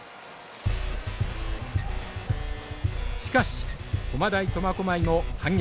しかし駒大苫小牧も反撃。